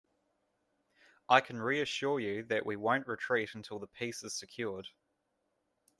I can reassure you, that we won't retreat until the peace is secured.